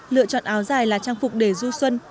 lựa chọn áo dài là trang phục để du xuân